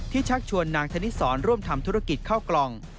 ชักชวนนางธนิสรร่วมทำธุรกิจเข้ากล่อง